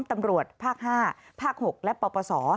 ตำรวจภาค๕ภาค๖และปปศ